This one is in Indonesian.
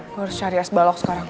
gue harus cari sbalok sekarang